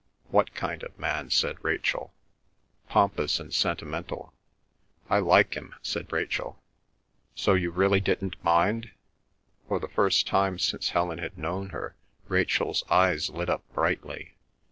"What kind of man?" said Rachel. "Pompous and sentimental." "I like him," said Rachel. "So you really didn't mind?" For the first time since Helen had known her Rachel's eyes lit up brightly.